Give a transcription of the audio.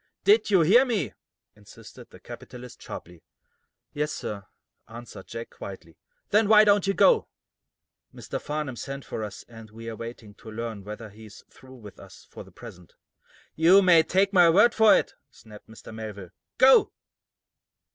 "Did you hear me?" insisted the capitalist, sharply. "Yes, sir," answered Jack, quietly. "Then why don't you go?" "Mr. Farnum sent for us, and we are waiting to learn whether he is through with us for the present." "You may take my word for it," snapped Mr. Melville. "Go!"